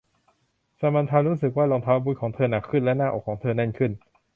ซามานธารู้สึกว่ารองเท้าบูทของเธอหนักขึ้นและหน้าอกของเธอแน่นขึ้น